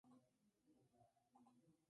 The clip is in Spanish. Está basada en la atleta mitológica Atalanta.